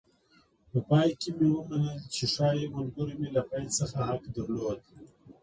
په پای کې مې ومنله چې ښایي ملګرو مې له پیل څخه حق درلود.